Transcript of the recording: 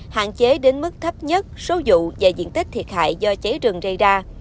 hạn chế đến mức thấp nhất số vụ và diện tích thiệt hại do cháy rừng rây ra